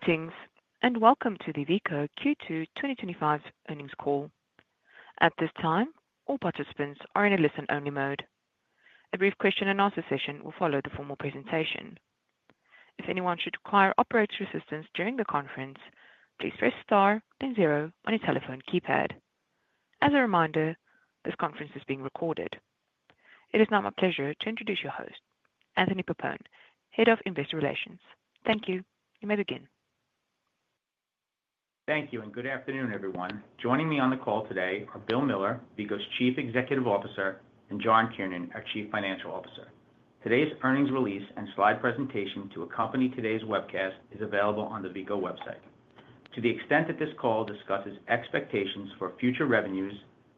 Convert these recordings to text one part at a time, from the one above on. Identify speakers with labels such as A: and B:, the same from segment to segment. A: Greetings, and welcome to the Veeco Q2 2025 Earnings Call. At this time, all participants are in a listen-only mode. A brief question and answer session will follow the formal presentation. If anyone should require operator assistance during the conference, please press star then zero on your telephone keypad. As a reminder, this conference is being recorded. It is now my pleasure to introduce your host, Anthony Pappone, Head of Investor Relations. Thank you. You may begin.
B: Thank you, and good afternoon, everyone. Joining me on the call today are Bill Miller, Veeco's Chief Executive Officer, and John Kiernan, our Chief Financial Officer. Today's earnings release and slide presentation to accompany today's webcast is available on the Veeco website. To the extent that this call discusses expectations for future revenues,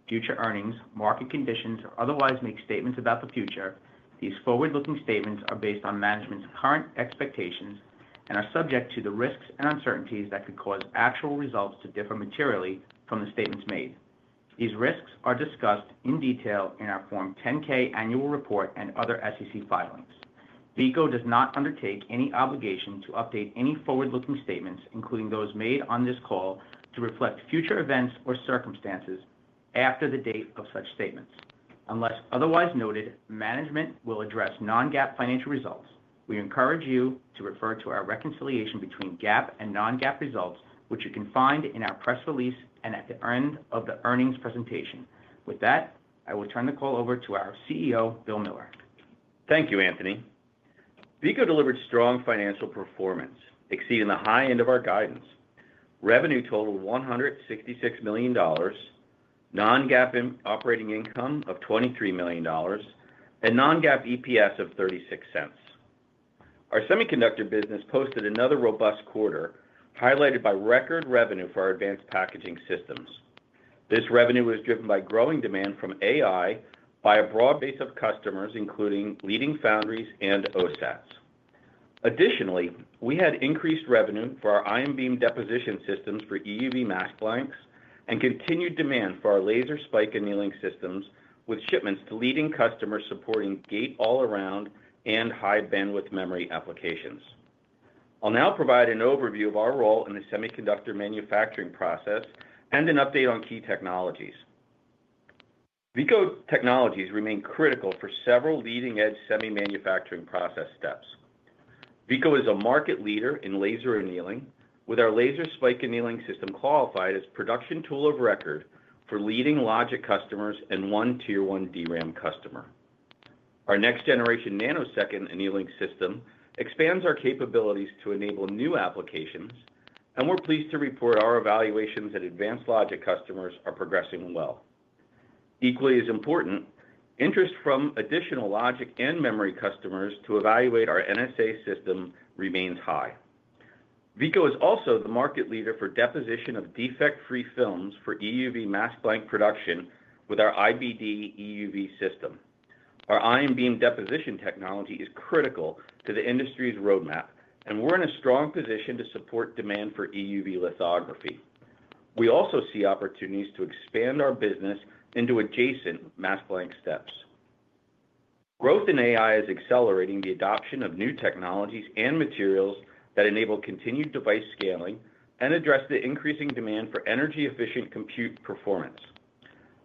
B: future earnings, market conditions, or otherwise make statements about the future, these forward-looking statements are based on management's current expectations and are subject to the risks and uncertainties that could cause actual results to differ materially from the statements made. These risks are discussed in detail in our Form 10-K annual report and other SEC filings. Veeco does not undertake any obligation to update any forward-looking statements, including those made on this call, to reflect future events or circumstances after the date of such statements. Unless otherwise noted, management will address non-GAAP financial results. We encourage you to refer to our reconciliation between GAAP and non-GAAP results, which you can find in our press release and at the end of the earnings presentation. With that, I will turn the call over to our CEO, Bill Miller.
C: Thank you, Anthony. Veeco delivered strong financial performance, exceeding the high end of our guidance. Revenue totaled $166 million, non-GAAP operating income of $23 million, and non-GAAP EPS of $0.36. Our semiconductor business posted another robust quarter, highlighted by record revenue for our advanced packaging systems. This revenue was driven by growing demand from AI by a broad base of customers, including leading foundries and OSATs. Additionally, we had increased revenue for our ion beam deposition systems for EUV mask blanks and continued demand for our laser spike annealing systems, with shipments to leading customers supporting gate all-around and high-bandwidth memory applications. I'll now provide an overview of our role in the semiconductor manufacturing process and an update on key technologies. Veeco technologies remain critical for several leading-edge semi-manufacturing process steps. Veeco is a market leader in laser annealing, with our laser spike annealing system qualified as production tool of record for leading logic customers and one Tier 1 DRAM customer. Our next-generation nanosecond annealing system expands our capabilities to enable new applications, and we're pleased to report our evaluations that advanced logic customers are progressing well. Equally as important, interest from additional logic and memory customers to evaluate our NSA system remains high. Veeco is also the market leader for deposition of defect-free films for EUV mask blank production with our IBD EUV system. Our ion beam deposition technology is critical to the industry's roadmap, and we're in a strong position to support demand for EUV lithography. We also see opportunities to expand our business into adjacent mask blank steps. Growth in AI is accelerating the adoption of new technologies and materials that enable continued device scaling and address the increasing demand for energy-efficient compute performance.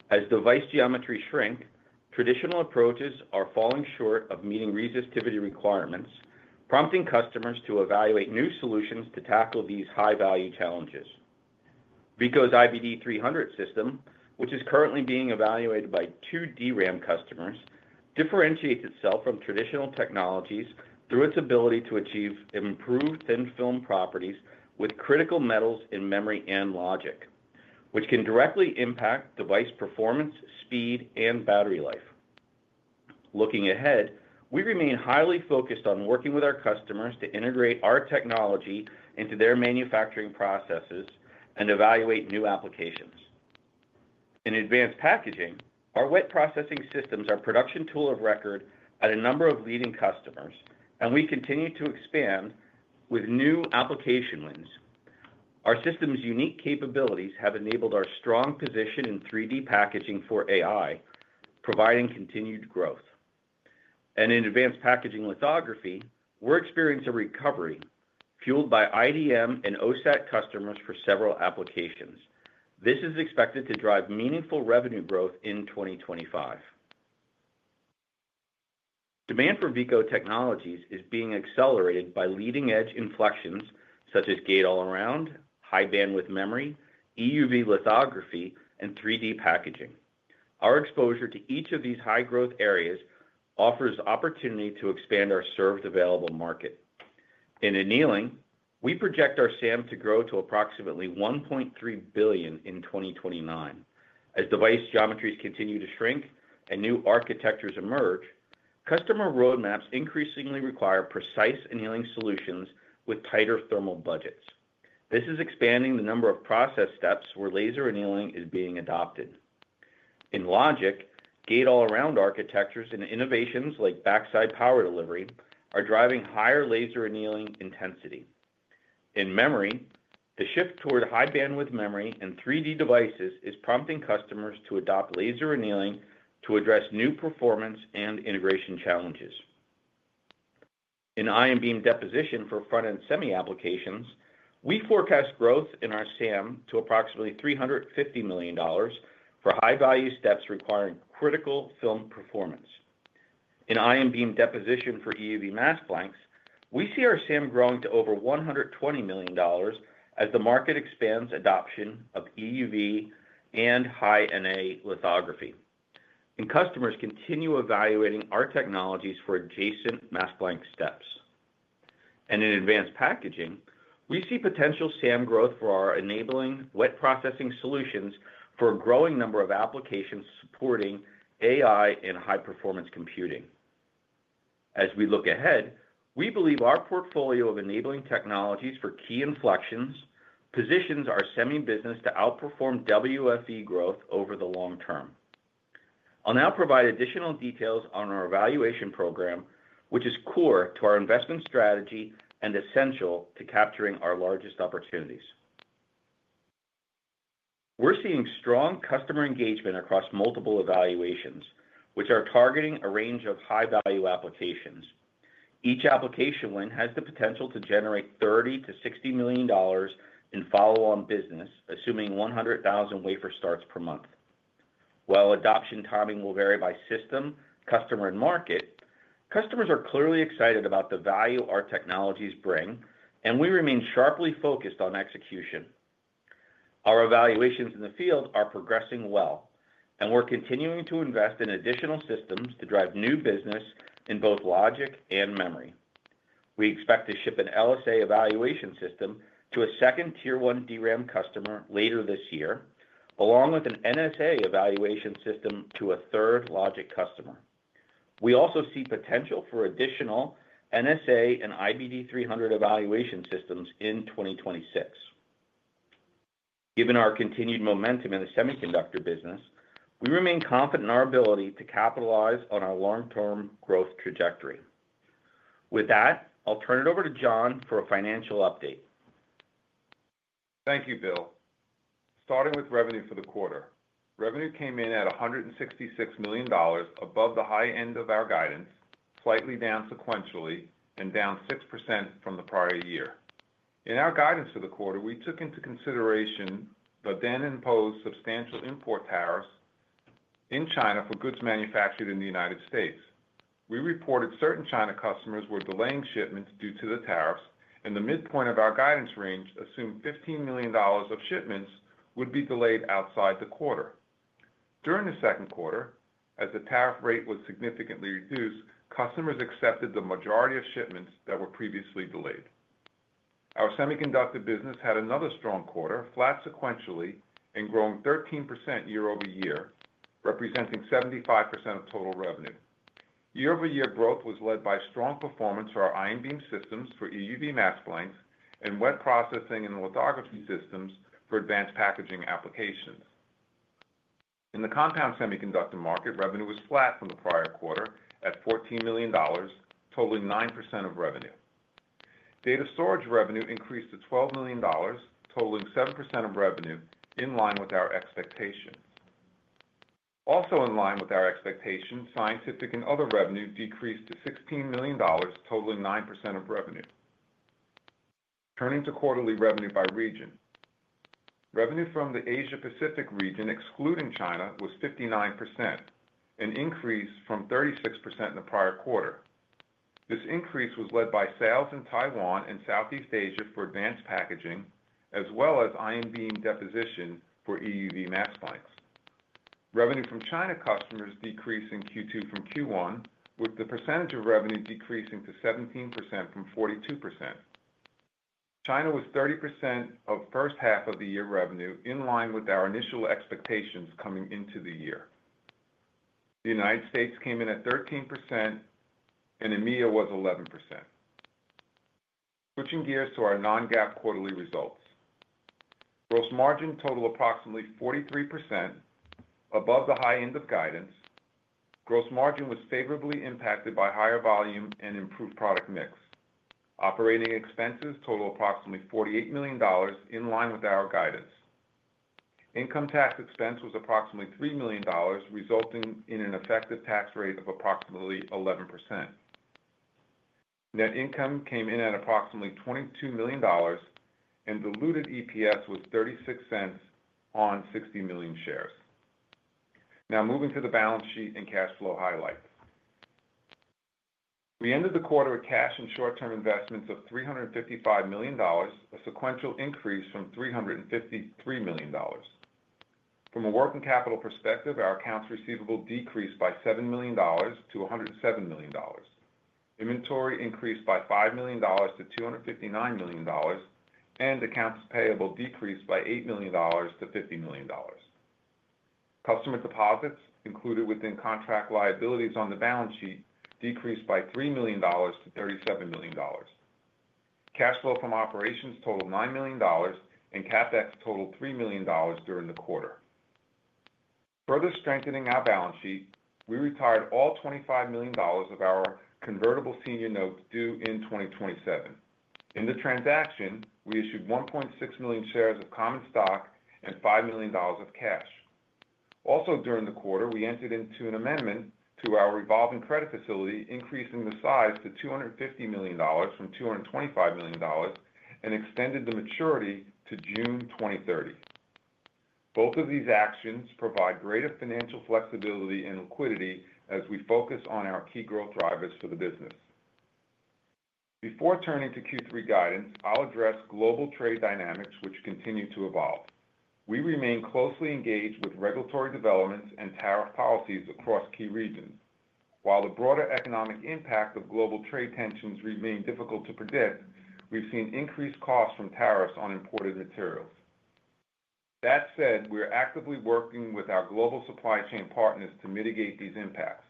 C: As device geometry shrinks, traditional approaches are falling short of meeting resistivity requirements, prompting customers to evaluate new solutions to tackle these high-value challenges. Veeco's IBD300 system, which is currently being evaluated by two DRAM customers, differentiates itself from traditional technologies through its ability to achieve improved thin film properties with critical metals in memory and logic, which can directly impact device performance, speed, and battery life. Looking ahead, we remain highly focused on working with our customers to integrate our technology into their manufacturing processes and evaluate new applications. In advanced packaging, our wet processing systems are a production tool of record at a number of leading customers, and we continue to expand with new application wins. Our system's unique capabilities have enabled our strong position in 3D packaging for AI, providing continued growth. In advanced packaging lithography, we're experiencing a recovery fueled by IDM and OSAT customers for several applications. This is expected to drive meaningful revenue growth in 2025. Demand for Veeco technologies is being accelerated by leading-edge inflections such as gate all-around, high-bandwidth memory, EUV lithography, and 3D packaging. Our exposure to each of these high-growth areas offers opportunity to expand our served available market. In annealing, we project our SAM to grow to approximately $1.3 billion in 2029. As device geometries continue to shrink and new architectures emerge, customer roadmaps increasingly require precise annealing solutions with tighter thermal budgets. This is expanding the number of process steps where laser annealing is being adopted. In logic, gate all-around architectures and innovations like backside power delivery are driving higher laser annealing intensity. In memory, the shift toward high-bandwidth memory and 3D devices is prompting customers to adopt laser annealing to address new performance and integration challenges. In ion beam deposition for front-end semi-applications, we forecast growth in our SAM to approximately $350 million for high-value steps requiring critical film performance. In ion beam deposition for EUV mask blanks, we see our SAM growing to over $120 million as the market expands adoption of EUV and high NA lithography. Customers continue evaluating our technologies for adjacent mask blank steps. In advanced packaging, we see potential SAM growth for our enabling wet processing solutions for a growing number of applications supporting AI and high-performance computing. As we look ahead, we believe our portfolio of enabling technologies for key inflections positions our semi-business to outperform WFE growth over the long term. I'll now provide additional details on our evaluation program, which is core to our investment strategy and essential to capturing our largest opportunities. We're seeing strong customer engagement across multiple evaluations, which are targeting a range of high-value applications. Each application win has the potential to generate $30 million-$60 million in follow-on business, assuming 100,000 wafer starts per month. While adoption timing will vary by system, customer, and market, customers are clearly excited about the value our technologies bring, and we remain sharply focused on execution. Our evaluations in the field are progressing well, and we're continuing to invest in additional systems to drive new business in both logic and memory. We expect to ship an LSA evaluation system to a second Tier 1 DRAM customer later this year, along with an NSA evaluation system to a third logic customer. We also see potential for additional NSA and IBD300 evaluation systems in 2026. Given our continued momentum in the semiconductor business, we remain confident in our ability to capitalize on our long-term growth trajectory. With that, I'll turn it over to John for a financial update.
D: Thank you, Bill. Starting with revenue for the quarter, revenue came in at $166 million, above the high end of our guidance, slightly down sequentially, and down 6% from the prior year. In our guidance for the quarter, we took into consideration the then-imposed substantial import tariffs in China for goods manufactured in the United States. We reported certain China customers were delaying shipments due to the tariffs, and the midpoint of our guidance range assumed $15 million of shipments would be delayed outside the quarter. During the second quarter, as the tariff rate was significantly reduced, customers accepted the majority of shipments that were previously delayed. Our semiconductor business had another strong quarter, flat sequentially, and growing 13% year-over-year, representing 75% of total revenue. Year-over-year growth was led by strong performance for our ion beam systems for EUV mask blanks and wet processing and lithography systems for advanced packaging applications. In the compound semiconductor market, revenue was flat from the prior quarter at $14 million, totaling 9% of revenue. Data storage revenue increased to $12 million, totaling 7% of revenue, in line with our expectations. Also in line with our expectations, scientific and other revenue decreased to $16 million, totaling 9% of revenue. Turning to quarterly revenue by region, revenue from the Asia-Pacific region, excluding China, was 59%, an increase from 36% in the prior quarter. This increase was led by sales in Taiwan and Southeast Asia for advanced packaging, as well as ion beam deposition for EUV mask blanks. Revenue from China customers decreased in Q2 from Q1, with the percentage of revenue decreasing to 17% from 42%. China was 30% of first half of the year revenue, in line with our initial expectations coming into the year. The United States came in at 13%, and EMEA was 11%. Switching gears to our non-GAAP quarterly results, gross margin totaled approximately 43%, above the high end of guidance. Gross margin was favorably impacted by higher volume and improved product mix. Operating expenses totaled approximately $48 million, in line with our guidance. Income tax expense was approximately $3 million, resulting in an effective tax rate of approximately 11%. Net income came in at approximately $22 million, and diluted EPS was $0.36 on 60 million shares. Now moving to the balance sheet and cash flow highlights, we ended the quarter with cash and short-term investments of $355 million, a sequential increase from $353 million. From a working capital perspective, our accounts receivable decreased by $7 million to $107 million. Inventory increased by $5 million to $259 million, and accounts payable decreased by $8 million to $50 million. Customer deposits included within contract liabilities on the balance sheet decreased by $3 million to $37 million. Cash flow from operations totaled $9 million, and CapEx totaled $3 million during the quarter. Further strengthening our balance sheet, we retired all $25 million of our convertible senior notes due in 2027. In the transaction, we issued 1.6 million shares of common stock and $5 million of cash. Also during the quarter, we entered into an amendment to our revolving credit facility, increasing the size to $250 million from $225 million and extended the maturity to June 2030. Both of these actions provide greater financial flexibility and liquidity as we focus on our key growth drivers for the business. Before turning to Q3 guidance, I'll address global trade dynamics, which continue to evolve. We remain closely engaged with regulatory developments and tariff policies across key regions. While the broader economic impact of global trade tensions remains difficult to predict, we've seen increased costs from tariffs on imported materials. That said, we're actively working with our global supply chain partners to mitigate these impacts.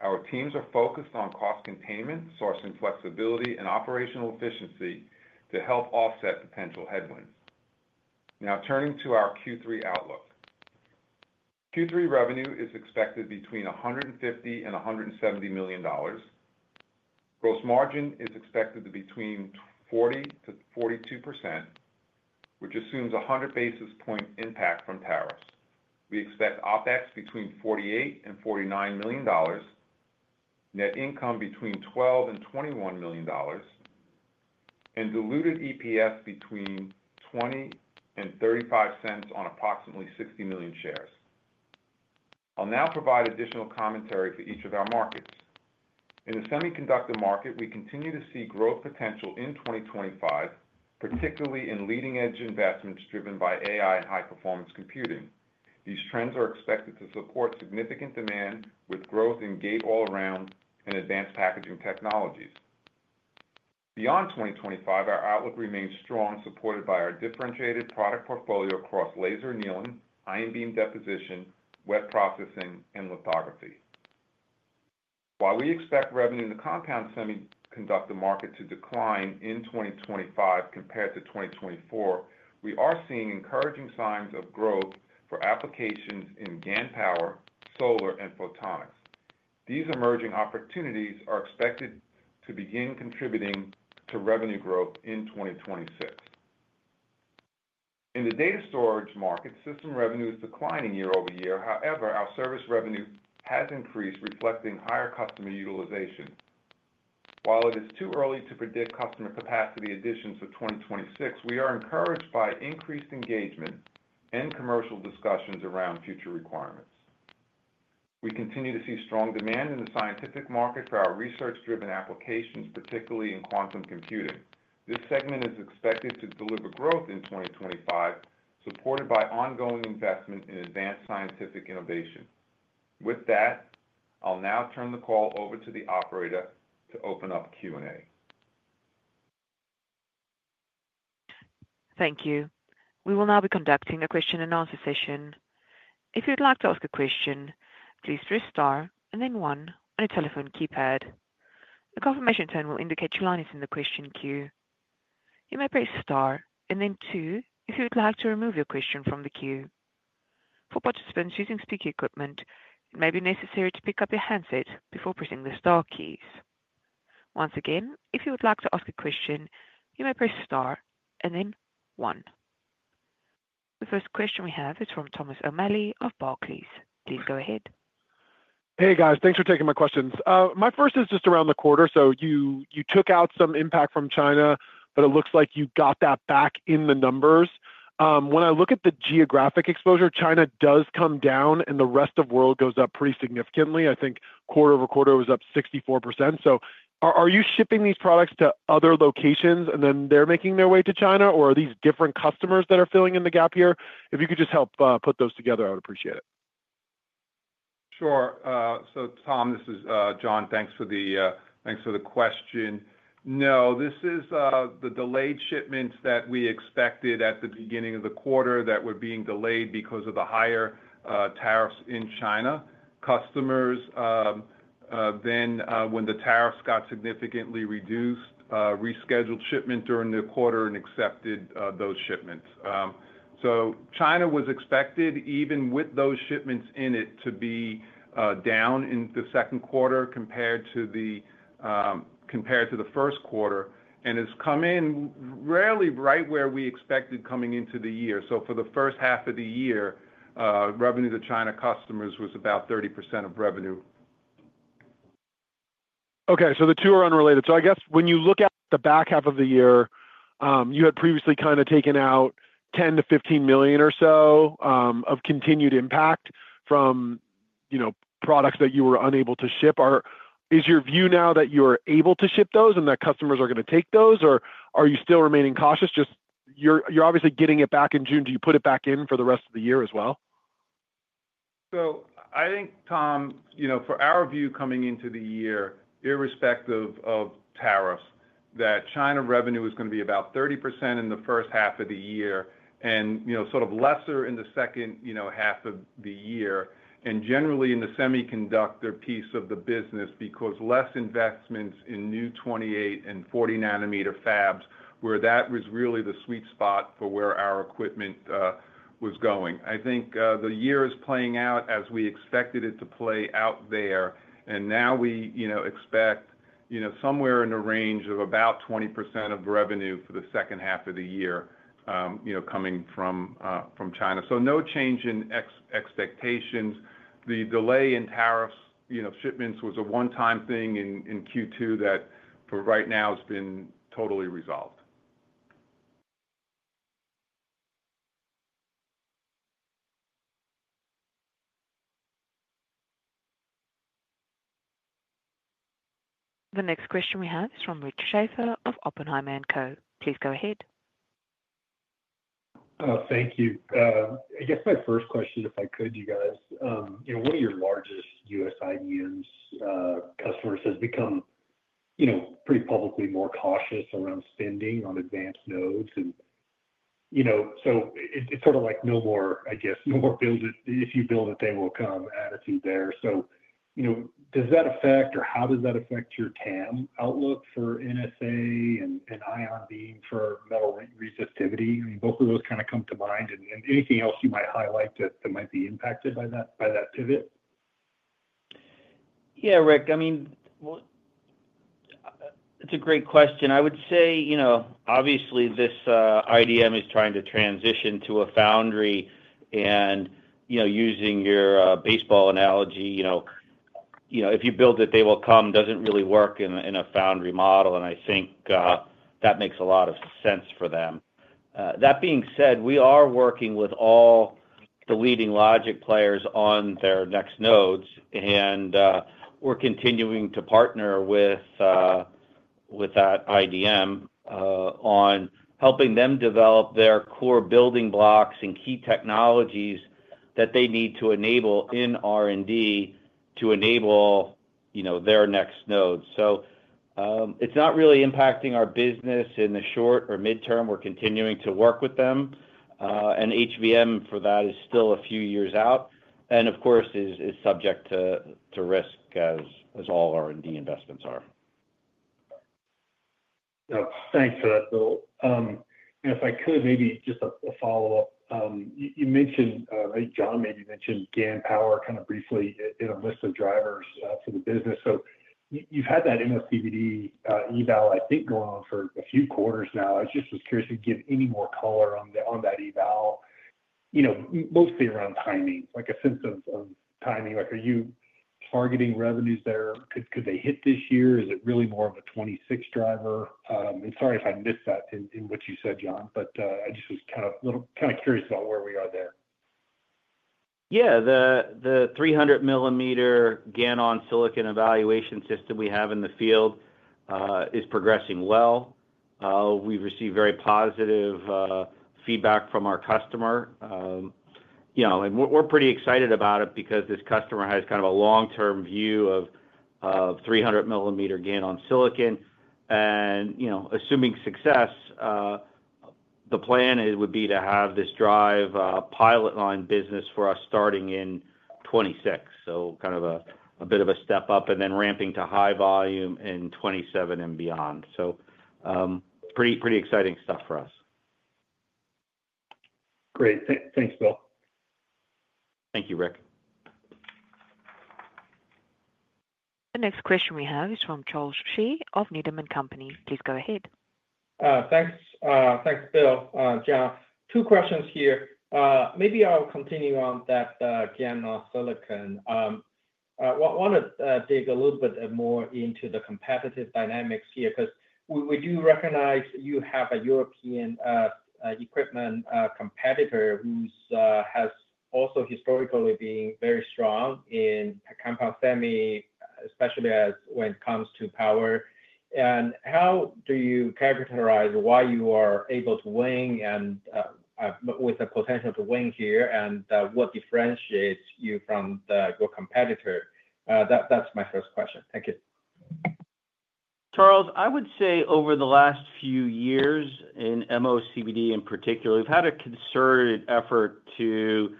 D: Our teams are focused on cost containment, sourcing flexibility, and operational efficiency to help offset potential headwinds. Now turning to our Q3 outlook. Q3 revenue is expected between $150 million and $170 million. Gross margin is expected to be between 40%-42%, which assumes a 100 basis point impact from tariffs. We expect OpEx between $48 million and $49 million, net income between $12 million and $21 million, and diluted EPS between $0.20 and $0.35 on approximately 60 million shares. I'll now provide additional commentary for each of our markets. In the semiconductor market, we continue to see growth potential in 2025, particularly in leading-edge investments driven by AI and high-performance computing. These trends are expected to support significant demand with growth in gate all-around and advanced packaging technologies. Beyond 2025, our outlook remains strong, supported by our differentiated product portfolio across laser annealing, ion beam deposition, wet processing, and lithography. While we expect revenue in the compound semiconductor market to decline in 2025 compared to 2024, we are seeing encouraging signs of growth for applications in GaN power, solar, and photonics. These emerging opportunities are expected to begin contributing to revenue growth in 2026. In the data storage market, system revenue is declining year over year. However, our service revenue has increased, reflecting higher customer utilization. While it is too early to predict customer capacity additions for 2026, we are encouraged by increased engagement and commercial discussions around future requirements. We continue to see strong demand in the scientific market for our research-driven applications, particularly in quantum computing. This segment is expected to deliver growth in 2025, supported by ongoing investment in advanced scientific innovation. With that, I'll now turn the call over to the operator to open up Q&A.
A: Thank you. We will now be conducting a question and answer session. If you'd like to ask a question, please press star and then one on your telephone keypad. The confirmation tone will indicate your line is in the question queue. You may press star and then two if you would like to remove your question from the queue. For participants using speaker equipment, it may be necessary to pick up your handset before pressing the star keys. Once again, if you would like to ask a question, you may press star and then one. The first question we have is from Thomas O'Malley of Barclays. Please go ahead.
E: Hey, guys. Thanks for taking my questions. My first is just around the quarter. You took out some impact from China, but it looks like you got that back in the numbers. When I look at the geographic exposure, China does come down and the rest of the world goes up pretty significantly. I think quarter over quarter was up 64%. Are you shipping these products to other locations and then they're making their way to China, or are these different customers that are filling in the gap here? If you could just help put those together, I would appreciate it.
D: Sure. Tom, this is John. Thanks for the question. No, this is the delayed shipments that we expected at the beginning of the quarter that were being delayed because of the higher tariffs in China. Customers, when the tariffs got significantly reduced, rescheduled shipment during the quarter and accepted those shipments. China was expected, even with those shipments in it, to be down in the second quarter compared to the first quarter and has come in really right where we expected coming into the year. For the first half of the year, revenue to China customers was about 30% of revenue.
E: Okay, so the two are unrelated. I guess when you look at the back half of the year, you had previously kind of taken out $10 million-$15 million or so of continued impact from, you know, products that you were unable to ship. Is your view now that you are able to ship those and that customers are going to take those, or are you still remaining cautious? You're obviously getting it back in June. Do you put it back in for the rest of the year as well?
D: I think, Tom, for our view coming into the year, irrespective of tariffs, that China revenue is going to be about 30% in the first half of the year and sort of lesser in the second half of the year and generally in the semiconductor piece of the business because less investments in new 28 nm and 40 nm fabs where that was really the sweet spot for where our equipment was going. I think the year is playing out as we expected it to play out there. We expect somewhere in the range of about 20% of revenue for the second half of the year coming from China. No change in expectations. The delay in tariff-related shipment delays was a one-time thing in Q2 that for right now has been totally resolved.
A: The next question we have is from Rick Schafer of Oppenheimer & Co. Please go ahead.
F: Thank you. I guess my first question, if I could, you guys, you know, one of your largest U.S. IDMs customers has become, you know, pretty publicly more cautious around spending on advanced nodes. It's sort of like no more, I guess, no more if you build it, they will come attitude there. Does that affect or how does that affect your TAM outlook for NSA and ion beam for metal resistivity? I mean, both of those kind of come to mind. Anything else you might highlight that might be impacted by that pivot?
C: Yeah, Rick, I mean, it's a great question. I would say, you know, obviously this IDM is trying to transition to a foundry, and, you know, using your baseball analogy, if you build it, they will come doesn't really work in a foundry model. I think that makes a lot of sense for them. That being said, we are working with all the leading logic players on their next nodes, and we're continuing to partner with that IDM on helping them develop their core building blocks and key technologies that they need to enable in R&D to enable their next nodes. It's not really impacting our business in the short or mid-term. We're continuing to work with them. HBM for that is still a few years out and, of course, is subject to risk as all R&D investments are.
F: Thanks for that, Bill. If I could, maybe just a follow-up. You mentioned, I think John maybe mentioned GaN power kind of briefly in a list of drivers for the business. You've had that MOCVD eval, I think, going on for a few quarters now. I just was curious if you could give any more color on that eval, mostly around timing, like a sense of timing. Are you targeting revenues there? Could they hit this year? Is it really more of a 2026 driver? Sorry if I missed that in what you said, John, but I just was kind of a little kind of curious about where we are there.
C: Yeah, the 300 mm GaN on silicon evaluation system we have in the field is progressing well. We've received very positive feedback from our customer, and we're pretty excited about it because this customer has kind of a long-term view of 300 mm GaN on silicon. You know, assuming success, the plan would be to have this drive pilot line business for us starting in 2026, kind of a bit of a step up and then ramping to high volume in 2027 and beyond. Pretty exciting stuff for us.
F: Great. Thanks, Bill.
C: Thank you, Rick.
A: The next question we have is from Charles Shi of Needham & Company. Please go ahead.
G: Thanks, thanks, Bill. John, two questions here. Maybe I'll continue on that GaN on silicon. I want to dig a little bit more into the competitive dynamics here because we do recognize you have a European equipment competitor who has also historically been very strong in the compound semi, especially when it comes to power. How do you characterize why you are able to win and with the potential to win here and what differentiates you from your competitor? That's my first question. Thank you.
C: Charles, I would say over the last few years in MOCVD in particular, we've had a concerted effort to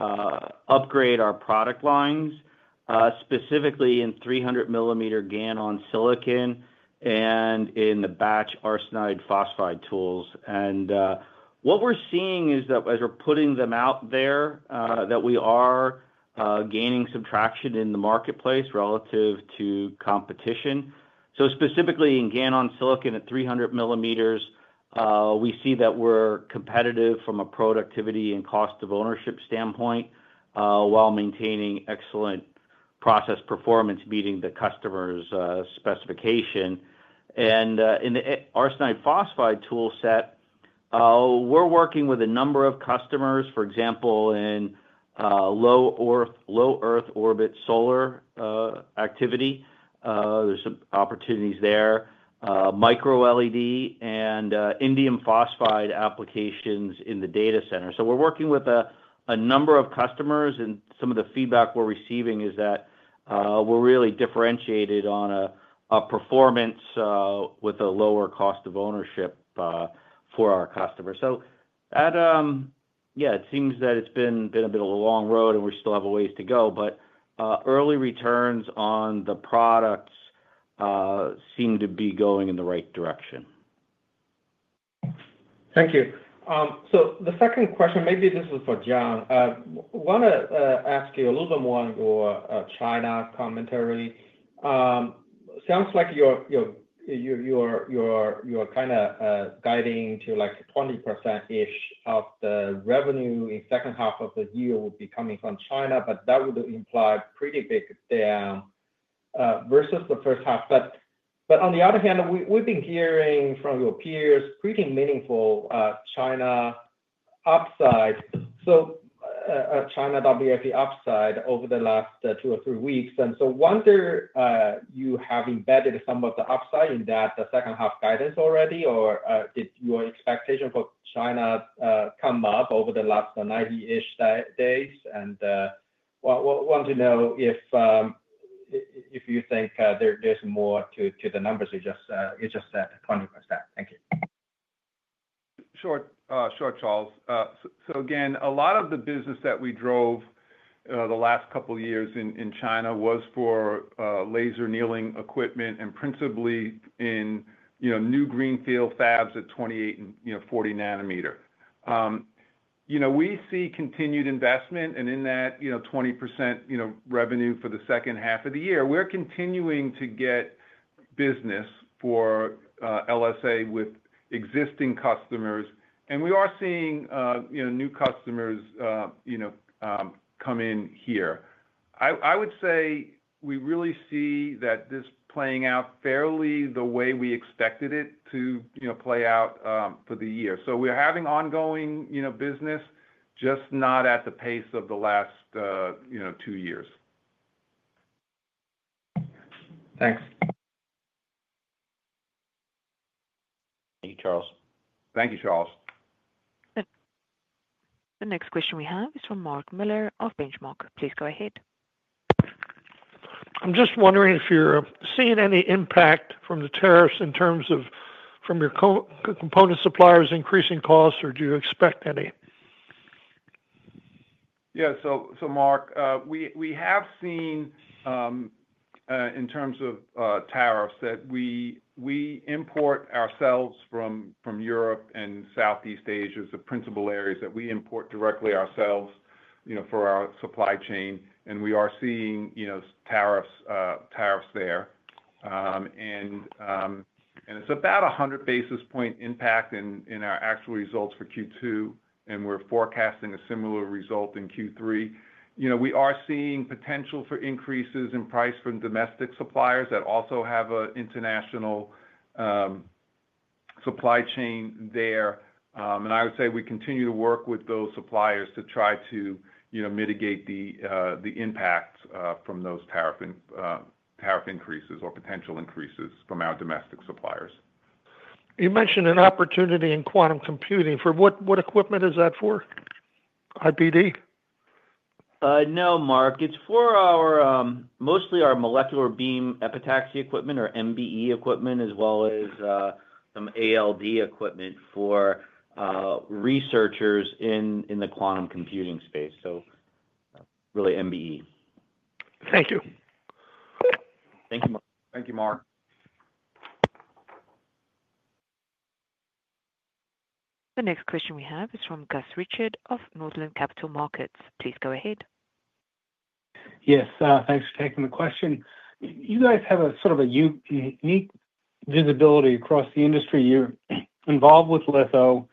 C: upgrade our product lines, specifically in 300 mm GaN on silicon and in the batch arsenide phosphide tools. What we're seeing is that as we're putting them out there, we are gaining some traction in the marketplace relative to competition. Specifically in GaN on silicon at 300 mm, we see that we're competitive from a productivity and cost of ownership standpoint while maintaining excellent process performance, meeting the customer's specification. In the arsenide phosphide tool set, we're working with a number of customers, for example, in low Earth orbit solar activity. There are some opportunities there, micro LED, and indium phosphide applications in the data center. We're working with a number of customers, and some of the feedback we're receiving is that we're really differentiated on performance with a lower cost of ownership for our customers. It seems that it's been a bit of a long road, and we still have a ways to go, but early returns on the products seem to be going in the right direction.
G: Thank you. The second question, maybe this is for John. I want to ask you a little bit more on your China commentary. Sounds like you're kind of guiding to like 20% of the revenue in the second half of the year would be coming from China, but that would imply a pretty big down versus the first half. On the other hand, we've been hearing from your peers pretty meaningful China upside, a China WFE upside over the last two or three weeks. I wonder if you have embedded some of the upside in that second half guidance already, or did your expectation for China come up over the last 90-ish days? I want to know if you think there's more to the numbers you just said, 20%. Thank you.
D: Sure, sure, Charles. Again, a lot of the business that we drove the last couple of years in China was for laser annealing equipment and principally in new greenfield fabs at 28 nm and 40 nm. We see continued investment, and in that 20% revenue for the second half of the year, we're continuing to get business for LSA with existing customers. We are seeing new customers come in here. I would say we really see that this playing out fairly the way we expected it to play out for the year. We're having ongoing business, just not at the pace of the last two years.
G: Thanks.
C: Thank you, Charles.
D: Thank you, Charles.
A: The next question we have is from Mark Miller of Benchmark Co. Please go ahead.
H: I'm just wondering if you're seeing any impact from the tariffs in terms of from your component suppliers increasing costs, or do you expect any?
D: Mark, we have seen in terms of tariffs that we import ourselves from Europe and Southeast Asia as the principal areas that we import directly ourselves for our supply chain. We are seeing tariffs there, and it's about a 100 basis point impact in our actual results for Q2. We're forecasting a similar result in Q3. We are seeing potential for increases in price from domestic suppliers that also have an international supply chain there. I would say we continue to work with those suppliers to try to mitigate the impacts from those tariff increases or potential increases from our domestic suppliers.
H: You mentioned an opportunity in quantum computing. For what equipment is that for? IBD?
C: No, Mark. It's for mostly our molecular beam epitaxy equipment or MBE equipment, as well as some ALD equipment for researchers in the quantum computing space. Really MBE.
H: Thank you.
C: Thank you, Mark.
D: Thank you, Mark.
A: The next question we have is from Gus Richard of Northland Capital Markets. Please go ahead.
I: Yes, thanks for taking the question. You guys have a sort of a unique visibility across the industry. You're involved with lithography,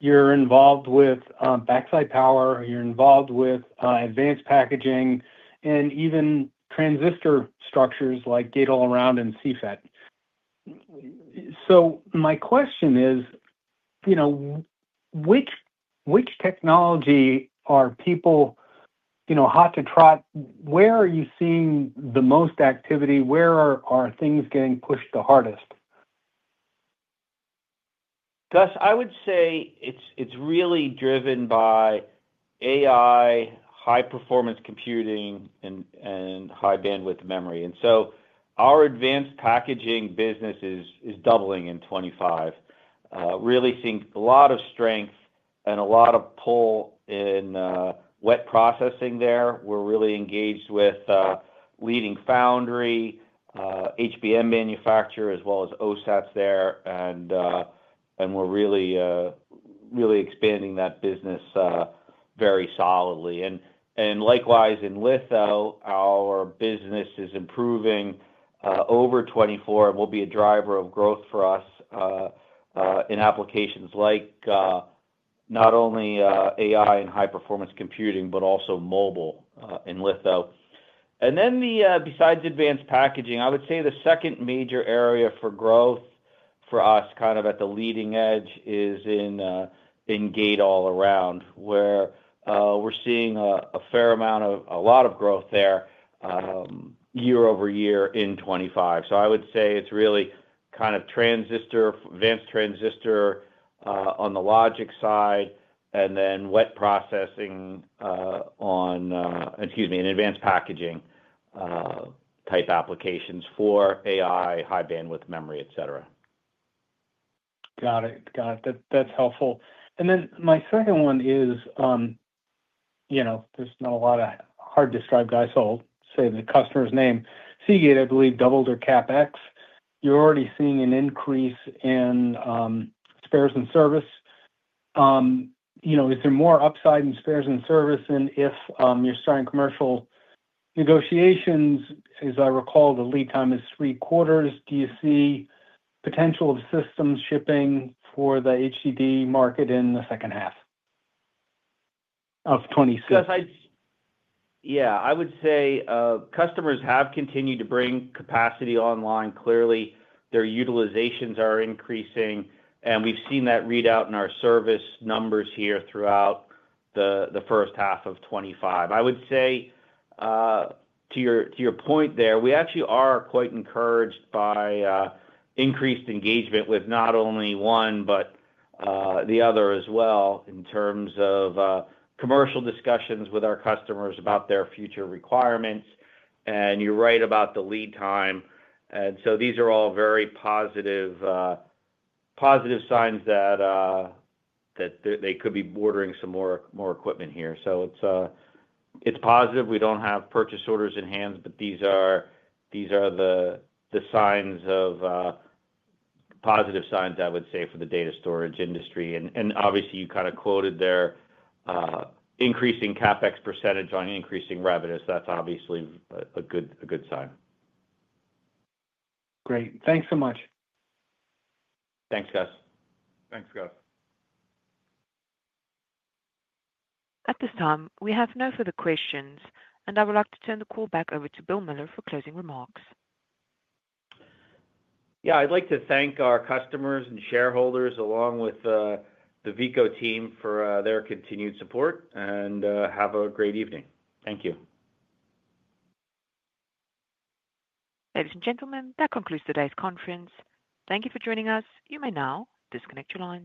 I: you're involved with backside power, you're involved with advanced packaging, and even transistor structures like gate all-around and CFET. My question is, you know, which technology are people hot to trot? Where are you seeing the most activity? Where are things getting pushed the hardest?
C: Gus, I would say it's really driven by AI, high-performance computing, and high-bandwidth memory. Our advanced packaging business is doubling in 2025, really seeing a lot of strength and a lot of pull in wet processing there. We're really engaged with leading foundry, HBM manufacturer, as well as OSATs there. We're really expanding that business very solidly. Likewise, in litho, our business is improving over 2024 and will be a driver of growth for us in applications like not only AI and high-performance computing, but also mobile in litho. Besides advanced packaging, I would say the second major area for growth for us at the leading edge is in gate all-around, where we're seeing a fair amount of a lot of growth there year-over-year in 2025. I would say it's really kind of transistor, advanced transistor on the logic side, and then wet processing in advanced packaging type applications for AI, high-bandwidth memory, et cetera.
I: Got it. That's helpful. My second one is, you know, there's not a lot of hard to describe guys, so I'll say the customer's name. Seagate, I believe, doubled their CapEx. You're already seeing an increase in spares and service. You know, is there more upside in spares and service than if you're starting commercial negotiations? As I recall, the lead time is three quarters. Do you see potential of systems shipping for the HDD market in the second half of 2026?
C: Yeah, I would say customers have continued to bring capacity online. Clearly, their utilizations are increasing, and we've seen that read out in our service numbers here throughout the first half of 2025. I would say to your point there, we actually are quite encouraged by increased engagement with not only one, but the other as well in terms of commercial discussions with our customers about their future requirements. You're right about the lead time. These are all very positive signs that they could be ordering some more equipment here. It's positive. We don't have purchase orders in hand, but these are the signs of positive signs, I would say, for the data storage industry. Obviously, you kind of quoted their increasing CapEx percentage on increasing revenue. That's obviously a good sign.
I: Great. Thanks so much.
C: Thanks, Gus.
D: Thanks, Gus.
A: At this time, we have no further questions, and I would like to turn the call back over to Bill Miller for closing remarks.
C: Yeah, I'd like to thank our customers and shareholders, along with the Veeco team, for their continued support, and have a great evening. Thank you.
A: Ladies and gentlemen, that concludes today's conference. Thank you for joining us. You may now disconnect your line.